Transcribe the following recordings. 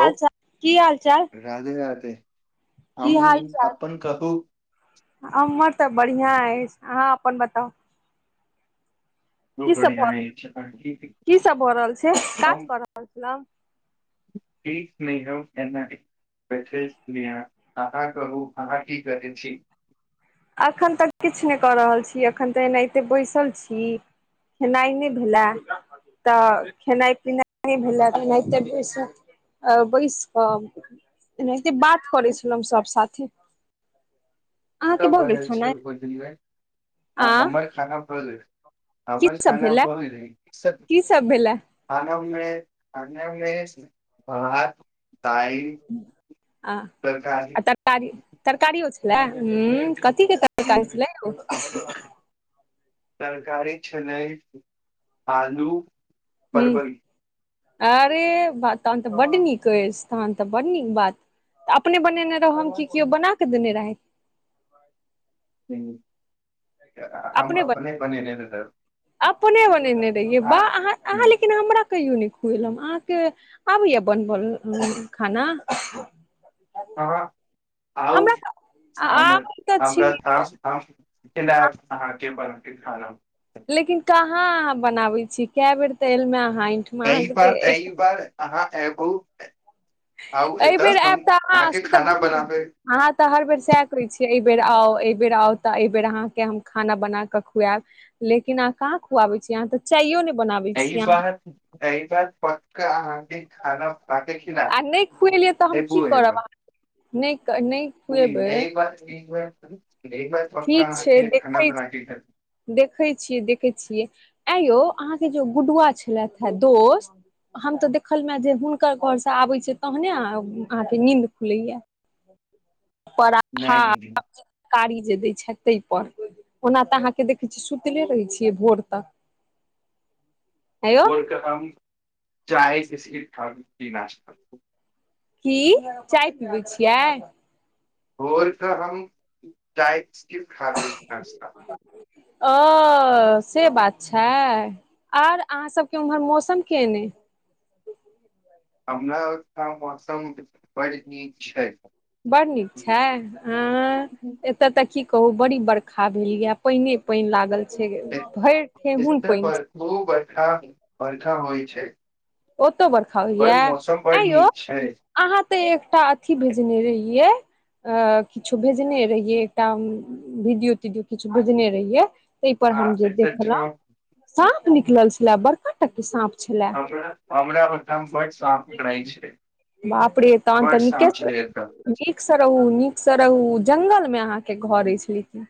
हाल चाल की हाल चाल राधे राधे की हम हाल चाल अपन कहू अमर तऽ बढ़िआँ एछ अहाँ अपन बताउ जो की सब बढ़िया भऽ रहल अछि अहीं- की सब भऽ रहल छै काज कऽ रहल छलौं की स्नेह एना [unintelligible] सुनह अहाँ कहू अहाँ कि करै छी एखन तक किछु नहि कऽ रहल छी एखन तऽ एनाहिते बेसल छी खेनाई नहि भेला या तऽ खेनाई पिनाई नहि भेलनाते बैस कऽ एनाहिते बात करै छलँ सभ साथे अहाँके भऽ गेल बनेल छै खाना रोजनी भऽ आ ब्मइ खानान पर दे की हमर सब खाना भेलए भऽ गेले की सब भेलए खाना मे आन खाना मे भात दइन आ तरकारी तरकारियो छल हू कथि कऽ तरकारी जी, कहहि छलै आ [unintelligible] तरकारी छलेए आलू परवल हा अरे तहन तऽ बड नीक अछि तहन तऽ बड नीक बात तऽ अपने बनेने रहे हम कि केओ बना कऽ देने रहथि हा अपने बा बनेने रहौ अपने बनेने रहियै वाह अहाँ अहाँ लेकिन हमरा यूनिक हु अहाँकेँ आबैया बनब खाना अहाँ आउ हमरा तऽ हमर आबै तऽ छी हमरा तऽ हम खब अहाँकेँ बनके खाना लेकिन कहाँ अब बनावे छी क बेर ते एल मे अहाँ इठ एहि बार एहि बार अहाँ एब आउ एहि एतऽ बेर आयब हम तऽ अहाँ अहाँकेँ से तऽ खाना बुझ बनाबे अहाँ तऽ हर बेर सएह कहै छियै एहिबेर आउ एहिबेर आउ तऽ एहिबेर अहाँकेँ हम खाना बनाकऽ खुआएब लेकिन अहाँ कहाँ खुआबे छी अहाँ तऽ चायो नै बनाबे एहि बेर एहि बेर पक्का अहाँकेँ खाना पाक ख आ नहि खुएलियए तऽ हम कि करब अहाँ नहि नहि खुएबै एइ बेर पक्का ठीक छै अहाँकेँ खाना देखै बनाके खा देखै छियै देखैत छियै आ यौ अहाँकेँ जे गुडुआ छलथि हे दोस्त हम तऽ देखलमे जे हुनकर घरसँ आबैत छिय तहने अहाँकेँ नींन्द खुलैया परथा हँ नहि कारी जे दै छै ते पर ओना तऽ अहाँकेँ देखै छियै सुतले रहै छियै भोर तक यौ भोर कऽ हम चायकेसी ठाम की नश कर कि चाय पीबै छियै। भोर कऽ हम चाय बिस्कित खाबी न ओ से बात छै। आर अहाँ सभके उम्हर मौसम केने हमरा आइथम मौसम बड नीक छै बड़ नीक छै हे एते कि कहू बड़ी बर्खा भेल ये पानने पानि लागल भरि ठेहुन पाइन बहु बखा बड़खा होई छै ओतौ बर्खा बड़ होइया मौसम आ बड़ यो नीक छै अहाँ तऽ एकटा अथी भेजने रहिऐ आ किछु भेजने रहियै एकटा वीडियो तीडियो किछु भेजने रहिये ताहि पर आ हम जे एतय देखलहुॅं ठाम साँप निकल छले बड़का टक के साँप छले। बामला बकमे फट सा पकड़इ छै। बापरे तन बड तऽ निके साँप स छै एतय नीक स रहू नीक स रहू जंगल मे अहाँके घर अछि लेकिन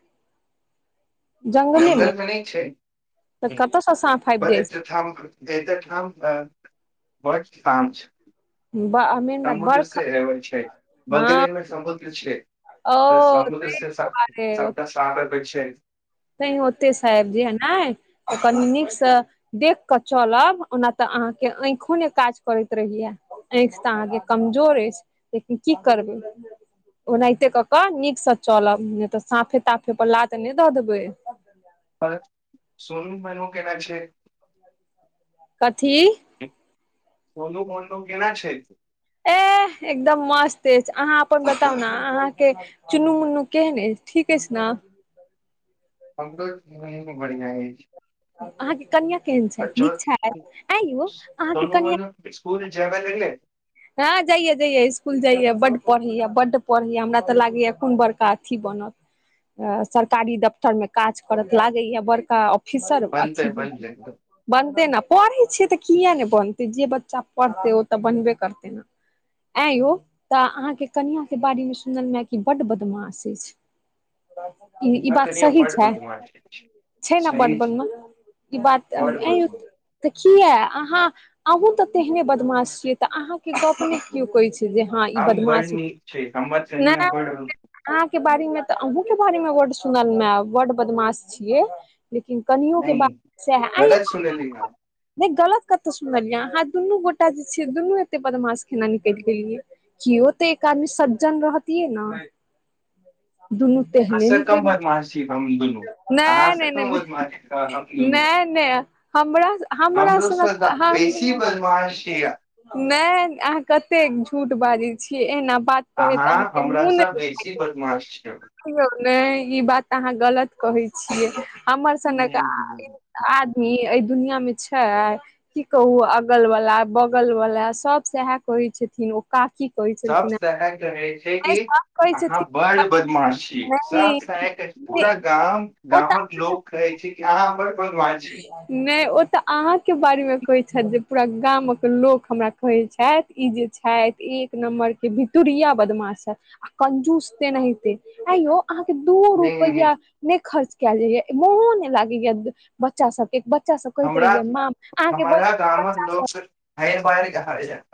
जंगलेमे जंगल मे नय छै तऽ कतय स साँफ आबि जाइ छै त [unintelligible] बत सा बा मे समुद्र से एबै छै बगले मे समुद्र छै ओ तै दुआरे ओ त चट बे [unintelligible] छै नै ओते सऽ आईब जैहा नय ओ कनी नीकसँ देख कऽ चलब ओना तऽ अहाँके अईखोे नय काज करति रहैया आँखि तऽ अहाँके कमजोर अछि लेकिन की करबै ओनाहिते कऽ कऽ नीकसँ चलब नय तऽ सांफे ताफे पर लाद नय दऽ देबै आओर सोनू मोनू केना छै [inaudible] कथी सोनू मोनू केना छै एह एकदम मस्त अछि आहाँ अपन बताउ ने अहाँके चुन्नू मुन्नू केहन अछि ठीक अछि न हमो खेनाय नय बढ़िआ अछि अहाँके कनिआ केहन छथि नीक छथि एं यौ अहाँके कनिआ इसकुल जैबे लगलै हँ जइया जइया इस्कुल जइया बड पढ़ैया बड पढ़ैया हमरा तऽ लागैया कोन बड़का अथी बनत सरकारी दफ्तर मे काज करत लागैया बड़का ऑफिसर बनतै अथीमे बनि जेतै बनतै ने पढ़ै छियै तऽ किए नय बनतै जे बच्चा पढ़तै ओ तऽ बनबे करतै तना आँं यौ तऽ अहाँके कनिआँ के बारे मे सुनलूहे कि बड्ड बदमाश अछि [unintelligible] न बात कर सही बड छै बधु [unintelligible] म छै छै ने बड्ड सही छै बदमाश ई बात तो बड एं यौ बदमाश तऽ किया अहाँ अहूँ तऽ तेहने बदमाश छियै तऽ अहाँ के गप ने कियो कहै छै जे हँ ई हम बर बदमाश नीक छी हमर कनिया बर अहाँ के बारे मे तऽ अहुं के बारे मे वर्ड सुनल मे वर्ड बदमाश छीयै लेकिन कनियो के नहि बात सेह आ गलत सुनलियै अहाँ [unintelligible] नय गलत कतऽ सुनलियै अहाँ दुनू गोटा जे छियै दुनू एते बदमाश केना निकलि गेलियै किओ तऽ एक आदमी सज्जन रहतियै न दुनू आहसे कम निकलि बदमास छी हम दुनू आहा नहि से नहि नहि कम नहि बदमास हम दूनू नहि नहि हमरा हमरा हमर सो सनक तब बेसी बादमश छी आहा नय अहाँ कतेक झूठ बाजै छीयै एना बात कहति अहाँ अहाँके हमरा मुँह नइ से बेसी दुखाइया बदमाश छी देखौ ने ई बात अहाँ गलत कहै छियै हमर सनक आदमी ए दुनिया मे छै की कहू अगल बला बगल वला सभ सएह कहै छथिन ओ काकी कहै सभ छलखिन हे सह कहै छै कि सब कहै अहाँ छथिन बड बदमाशी सभ सह कहै पूरा गाम ओ गाम कऽ लोकोग कहै छै कि अहाँ हमर हा ने ओ ते अहाँ के बारे मे कहे छथि जे पूरा गाम के लोक हमरा कहे छथि ई जे छथि एक नम्बर के भितुरिया बदमाश छथिन कंजूस्ते नहिते आई यो अहाँकेँ दूओ रुपैआ नहि खर्च कयल जाइया मोहो नहि लागे या बच्चा सभके बच्चा सभ कहैत हमरा रहिये माम अहाँकेँ हमरा बहिन गामक बच्चा सभ लोक हर बार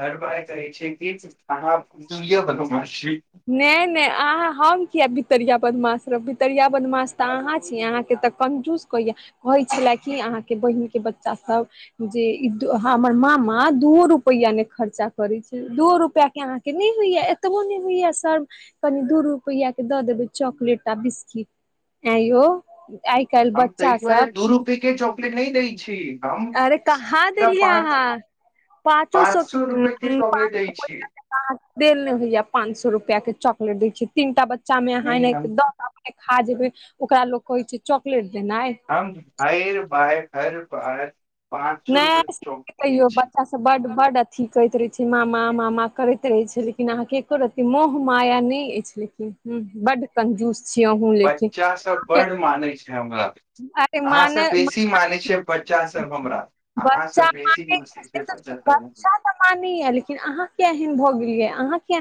हर बार करै छै कि अहाँ या बादमश छै नहि नहि अहाँ हम किया बितरिया बदमाश रहब बितरिया बदमाश तऽ अहाँ छी अहाँकेँ तऽ कंजुश कैया कहै छले कि अहाँकेँ बहिन के बच्चा सभ जे ई हमर मामा दूओ रुपैआ ने खर्चा करे छै दो रुपआ के अहाँ किनी होई एतबोनी होइए सर कनि दू रुपैआ के दऽ देबै चॉकलेट आ बिस्किट आ य आइ कइल बच्चा सभ से नहि दई छै आरे कहाँ देलियै अहाँ पाँचो पाँच सो सौ रुपए के ब चॉकलेट दै छी देल ने होइया पाँच सए रुपआ के चॉकलेट दै छै तीनटा बच्चा मे अहाँ नहि एनाहित हम दऽ खा जेबै ओकरा लोक कहे छै चॉकलेट देनाइ हम हर भाय हर भाय पाँच सए रुपए नहि कऽ चौक से दऽ कहियौ छी बच्चा बड बड अथी करैत रहे छै मामा मामा करैत रहे छै लेकिन अहाँकेँ मोह माया नहि अछि लेकिन हा बड कंजूस छीिय अहु लेकिन बच्चा सब अहके बड मानै छै। औ अहाँ सभ माने बेसी मानै छियै बच्चा सभ हमरा अहाँ बच्चा सभ बेसी मसे छी [unintelligible] [unintelligible] मानै या लेकिन अहाँ के एहन भऽ गेलियै अहाँ किया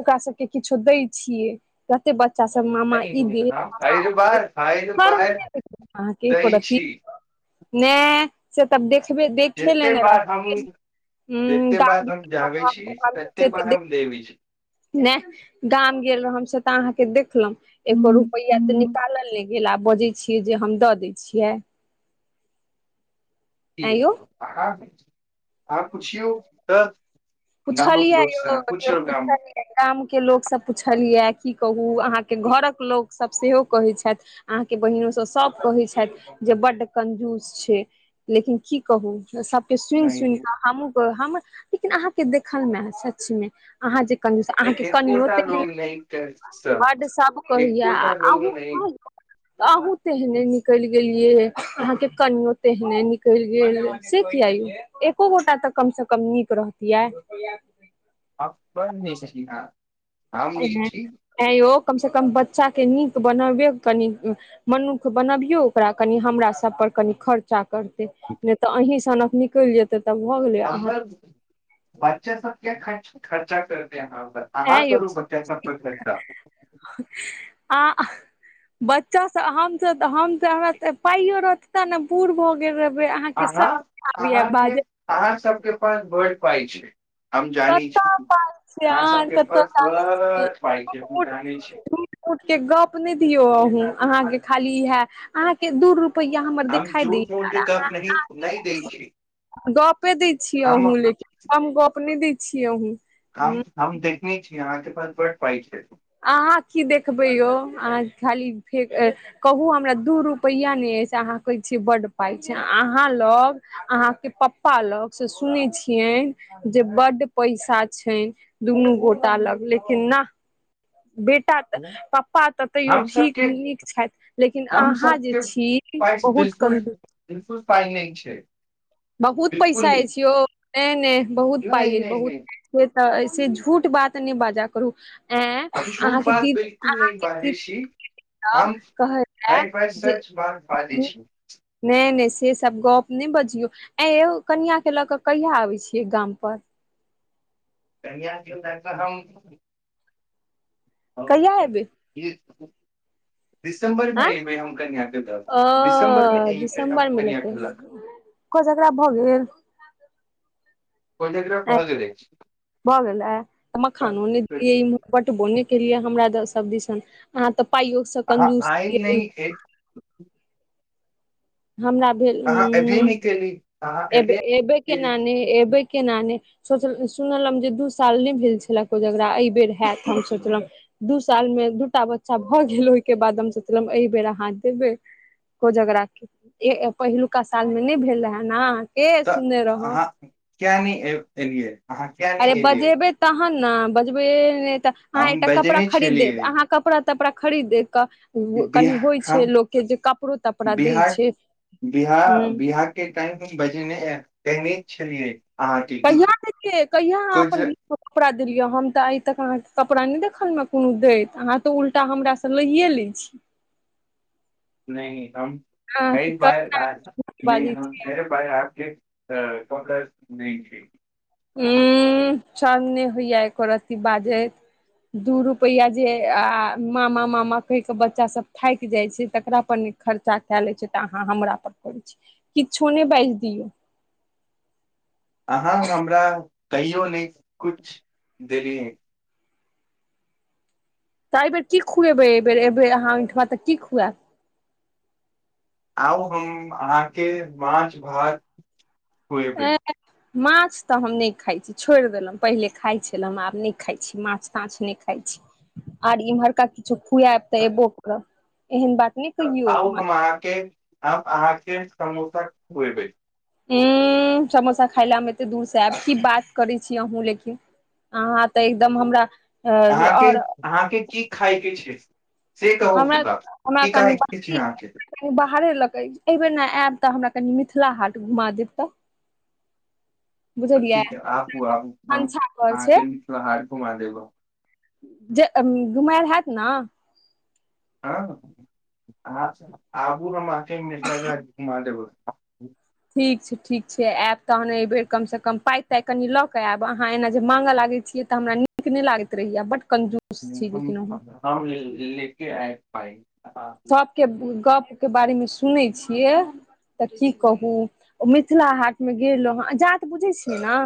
ओकरा सभके किछु दै छियै कते बच्चा सभ मामा ई दे मामा हर बार हर देर बार अहाँकेँ दै करथि छी ने से तब देखब देखे जते लेने बार हम रहे [unintelligible] नहि जते बार हम जाबै छी तते बार हम देबै छी गाम गेल रह हमस तऽ अहाँकेँ देखलहु एको रुपैआ तऽ निकाल नहि गेला बजे छियै जे हम दऽ दे छियै आँय यौ ठीक आ पुछि त पुछलियै यौ पुछल। गाम के लोकसभ पुछल यए कि कहू अहाँकेँ घर कऽ लोकसभ सेहो कहै छथि अहाँकेँ बहिनो सभ सभ कहै छथि जे बड कंजूस छै लेकिन की कहू सभ सुनि नहि सुन कऽ हम लेकिन अहाँकेँ देखल मे सच मे अहाँ जे अहाँकेँ कनियो एकोटा तन लोग नहि कर स बर्ड सभ कहैया एकोटा लोग नहि अहूँ तेहने निकल गेलिये अहा के कनो तेहने नै कर गेल से किया एको गोटा तऽ कमसँ कम नीक रहतियै आ बढ़ नहि सी आइ यौ कम से कम बच्चा के नीक बनबे कनि मनुख बनबियौ ओकरा कनि हमरा सभ पर कनि खर्चा कर नहि तऽ अही सनकऽ निकलि जेते तब भऽ गेले अमर बच्चे सभके खर्चा करते यहार ऐं आ यौ करू बच्चा पै्च आ। बच्चा हम हमरा पाइयो रहते ने पूर भऽ गेल रहे अहाँकेँ अहाँ सभ आब ब अहाँके अहाँ सभके पास बड़ पाइ छै आ जान छी कतऽ पाइ छै खासा अहाँ कतऽ पाइ जानै सँ पाय छै हम जी छी उठ के गप नहि दियो अहूँ अहाँकेँ खाली इहे अहाँकेँ दूर रूप रपैया हमर हम देखाई दऽ झूठ मूठ के गप नहि नहि दै छी गपे दै छियै हम अहूँ लेकिन कम गप्प नहि दै छियै अहूँ काम हम देखने छियै अहाँकेँ पास बढ़ पाइ छै अहाँ कि देखबै यौ अहाँ खाली फे कहू हमरा दू रुपैआ नहि अछि अहाँ कहै छियै बड़ पाइ छै अहाँ लग अहाँकेँ पप्पा लग से सुनैत छियै जे बड्ड पैसा छै दुनू गोटा लग लेकिन न बेटा तऽ पप्पा तऽ तैयो हम ठीक सबके नीक छथि लेकिन हम अहाँ जे अछि बहुत कमजोर दऽ फाइंग छै बहुत बिलकुल पैसा नहि अछि यौ नहि नहि बहुत पाइ नहि अछि नहि बहुत नहि पाइ तऽ से झूठ बात नहि बाजा करू एं हमझूर अहाँके बात दीदी बिल्कूल नहि अहाँके दीदी बायषी हम सब कहैये हइ फइ जे सच्चा बार प दै छी नहि नहि से सभ गप नहि बजियौ या कनआ के लऽ कऽ कहिया आबै छियै गाम पर कनियाँ कऽ हम कहिआ अयबै कऽ दिसम्बरमे आँय एहिमे हम कन आँके दऽ दिसम्बरमे ओ एहि कन कहलक कोजकरा भऽ गेल कोरियोग्राफ भऽ गेलै भऽ गेल मखनो नहि बटबोने केलियए हमरा सभ दिस अहाँ तऽ पाइयोसँ अहाँ कंजूस आयल नहि हमरा भेल अहाँ एबे नहि केली अहाँ एबे केली केना एबे केना केना नहि सोच सुनल जे दू साल नहि भेल छलक ओ जकरा एहि बेर होयत हम सोचलँ दू सालमे दूटा बच्चा भऽ गेल ओहि के बाद हम सोचलब एहि बेर हाथ देबै कोजगरा पहिलुका साल मे नहि भेल रहे न तऽ अहाँ किया एलियै अहाँ किया नहि आरे एलियै बजेबै तहन ने बजबै नहि, तऽ अहाँ हम एकटा कपड़ा बजने खरीद देब छलियै अहाँ कपड़ा तपड़ा खरीदे कऽ कनि बिहार होई छै हम लोकके जे कपड़ो तपड़ा दै बिहार छै हा बिहार बिहार के टाइम तऽ बजेने केने छलियै अहाँके कि कहिआ देखियै कहिया अहाँ कुछ अपन कपड़ा देलियै हम तऽ आइ तक अहाँकेँ कपड़ा नहि, देखल मे कोनो देत अहाँ तऽ उल्टा हमरा सम्झिये लै छी। नहि हम अहाँके कऽ बार कड़क आय बाजै छी आ के चकस नहि छै। हू सरम नहि होइ आ एक री बाजे दू रुपैआ जे आ मामा मामा कहि के बच्चा भऽ थाकि जाइ छै, तकरा पर खर्चा कए ले छै, तऽ अहाँ हमरा पर करै छीय किछो नहि बाजि दियौ। अहाँ हमरा कहियो नहि कुछ देलिय। तऽ एहि बेर कि खुएब, एहि बेर एहि बेर अहाँ ओठमा तऽ कि खुएब, आउ हम अहाँकेँ माछ भात खुएबे। ए माछ तऽ हम नहि खाई छी। छोड़ि देलहुँ पहिले खाइत छल, आब नहि खाइ छी माछ ताछ नहि खाइत छी। आर इम्हरका किछो खुआ बा तऽ एबो करब एहन बात नहि कहियौ आउ हम अहाँके हम अहाँके समोसा खुएबै। औ समोसा खाय ल मे एते दूर से आयब की बात करै छी अहूँ लेकिन। अहाँ तऽ एकदम हमरा। अहाँके आओर अहाँके की खायके छै। से कहू हमरा हमरा बकि कनि कह छी बाहरी अहा के कनि बाहरे लऽ के एहिबर न आयब तऽ हमरा कनि मिथिला हाट घुमा देब तऽ। [inaudible] तऽ बुझलियै ठीक आबू आब भनसा घर छै अके हार घुमा देगो। जे घुमर होत ने। अच्छा आबू ने आख मिथिलाके घुमा देबै। ठीक छै ठीक छै आयब तहन एहि बेर कमसँ कम पाइ ताइ कनि लऽ कऽ आयब अहाँ एना जे माँगऽ लागै छिय। हमरा नीक नहि लागैत रहैया बट कंजूर। लेके आय पाइ। हूँ सभके गप के बारे मे सुनै छियै तऽ कि कहू ओ मिथिला हाटमे गेलहुँ हँ आ जात बुझै छियै ने।